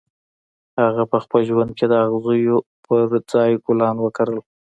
هغه په خپل ژوند کې د اغزیو پر ځای ګلان وکرل